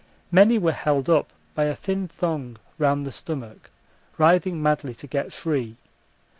Many were held up by a thin thong round the stomach, writhing madly to get free.